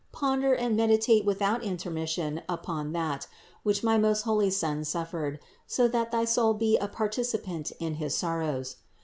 Ponder and meditate without intermission upon that, which my most holy Son suffered, so that thy soul be a participant in his sorrows.